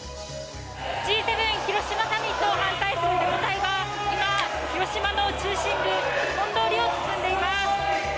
Ｇ７広島サミット反対するデモ隊が、今、広島の中心部通りを進んでいます。